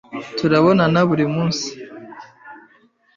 Turabonana buri munsi.